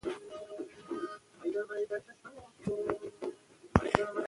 لوستې نجونې د ټولنې ستونزې په ګډه څېړي.